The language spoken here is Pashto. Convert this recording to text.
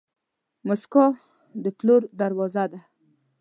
موسکا د پلور دروازه ده.